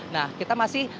nah kita masih akan melihat